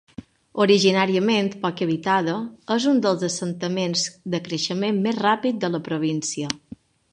Originàriament poc habitada, és un dels assentaments de creixement més ràpid de la província.